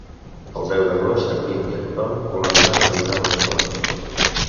El deu d'agost en Guim i en Tom volen anar a visitar mon oncle.